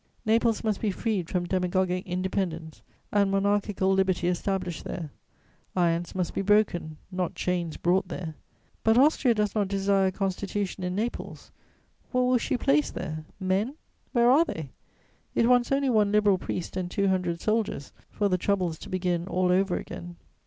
Naples must be freed from demagogic independence, and monarchical liberty established there; irons must be broken, not chains brought there. But Austria does not desire a constitution in Naples: what will she place there? Men? Where are they? It wants only one Liberal priest and two hundred soldiers for the troubles to begin all over again.